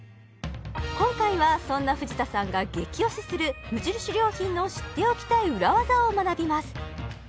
今回はそんな藤田さんが激推しする無印良品の知っておきたい裏ワザを学びます